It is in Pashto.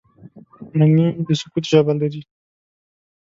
مني د سکوت ژبه لري